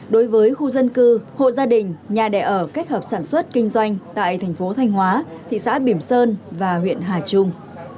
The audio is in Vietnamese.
đối với khu dân cư hộ gia đình nhà đẻ ở kết hợp sản xuất kinh doanh tại thành phố thanh hóa thị xã bìm sơn và huyện hà trung